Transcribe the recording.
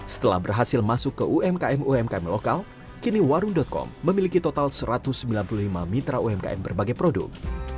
setelah berhasil masuk ke umkm umkm lokal kini warung com memiliki total satu ratus sembilan puluh lima mitra umkm berbagai produk